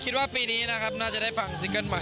คิดว่าปีนี้น่าจะได้ฟังซิงเกิร์ตใหม่